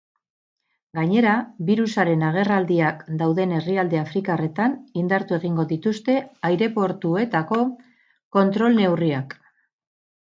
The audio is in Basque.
Gainera, birusaren agerraldiak dauden herrialde afrikarretan indartu egingo dituzte aireportuetako kontrol neurriak.